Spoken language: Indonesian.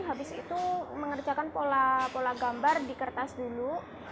habis itu mengerjakan pola pola gambar di kertas dulu